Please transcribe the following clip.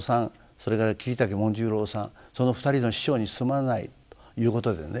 それから桐竹紋十郎さんその２人の師匠にすまないということでね